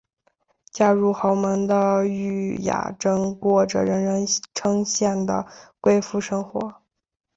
嫁入豪门的禹雅珍过着人人称羡的贵妇生活。